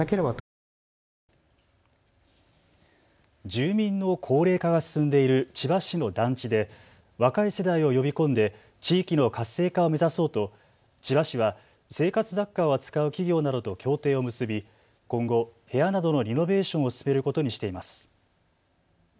住民の高齢化が進んでいる千葉市の団地で若い世代を呼び込んで地域の活性化を目指そうと千葉市は生活雑貨を扱う企業などと協定を結び今後、部屋などのリノベーションを進めることにしています。